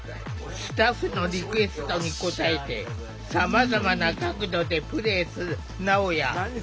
スタッフのリクエストに応えてさまざまな角度でプレイするなおや。